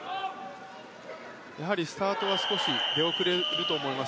スタートは少し出遅れると思います。